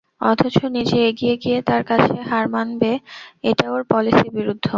অথচ নিজে এগিয়ে গিয়ে তার কাছে হার মানবে এটা ওর পলিসি-বিরুদ্ধ।